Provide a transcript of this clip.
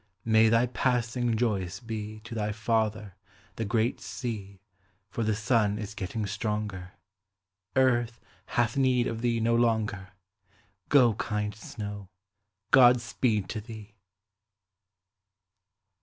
May thy passing joyous be To thy father, the great sea, For the sun is getting stronger; Earth hath need of thee no longer; Go, kind snow, God speed to thee!